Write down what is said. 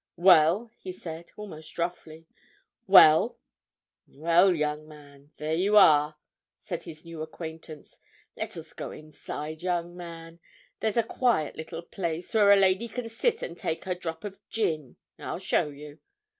"Well?" he said, almost roughly. "Well?" "Well, young man, there you are," said his new acquaintance. "Let us go inside, young man; there's a quiet little place where a lady can sit and take her drop of gin—I'll show you.